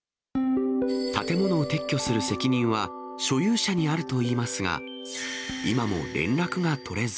建物を撤去する責任は所有者にあるといいますが、今も連絡が取れず。